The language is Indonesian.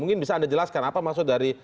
mungkin bisa anda jelaskan apa maksud dari